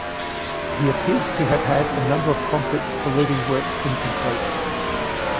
He appears to have had a number of conflicts for leaving works incomplete.